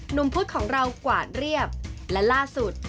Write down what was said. หนุ่มพุทธของเรากว่าเรียบและล่าสุด